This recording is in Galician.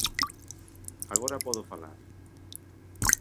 Agora podo falar.